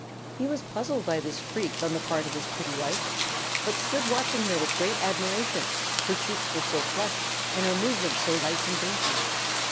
He was puzzled by this freak on the part of his pretty wife, but stood watching her with great admiration, her cheeks were so flushed, and her movements so light and dainty.